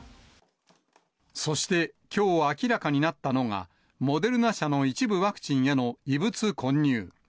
そして、きょう明らかになったのが、モデルナ社の一部ワクチンへの異物混入。